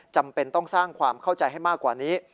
จำเป็นต้องสร้างความเข้าใจให้มากกว่านี้